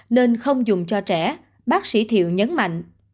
nên không dùng cho trẻ bác sĩ thiệu nhấn mạnh